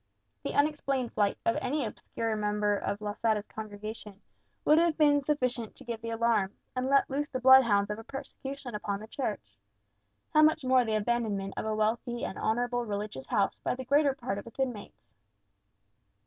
The unexplained flight of any obscure member of Losada's congregation would have been sufficient to give the alarm, and let loose the bloodhounds of persecution upon the Church; how much more the abandonment of a wealthy and honourable religious house by the greater part of its inmates?